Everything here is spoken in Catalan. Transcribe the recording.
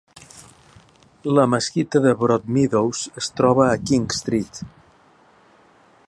La mesquita de Broadmeadows es troba a King Street.